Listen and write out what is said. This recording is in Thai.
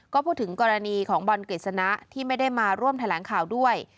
ก็พูดถึงกรณีของบอลกฤษณะที่ไม่ได้มาร่วมแถลงข่าวด้วย